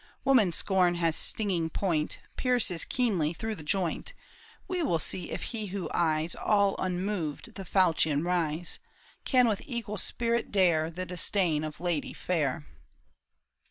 Woman's scorn has stinging point, Pierces keenly through the joint ; We will see if he who eyes All unmoved the falchion rise, Can with equal spirit dare The disdain of lady fair."